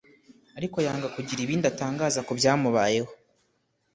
ariko yanga kugira ibindi atangaza ku byamubayeho